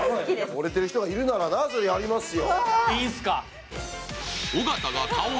ほれている人がいるなら、それはやりますよ。